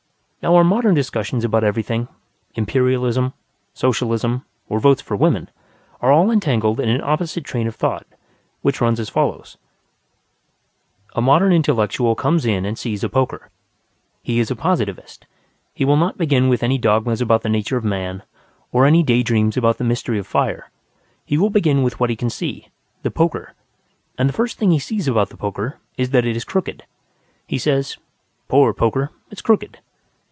Now our modern discussions about everything, Imperialism, Socialism, or Votes for Women, are all entangled in an opposite train of thought, which runs as follows: A modern intellectual comes in and sees a poker. He is a positivist; he will not begin with any dogmas about the nature of man, or any day dreams about the mystery of fire. He will begin with what he can see, the poker; and the first thing he sees about the poker is that it is crooked. He says, "Poor poker; it's crooked."